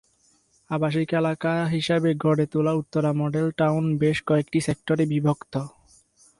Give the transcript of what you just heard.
আবাসিক এলাকা হিসাবে গড়ে তোলা উত্তরা মডেল টাউন বেশ কয়েকটি সেক্টরে বিভক্ত।